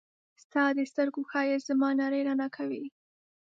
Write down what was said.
ستا د سترګو ښایست زما نړۍ رڼا کوي.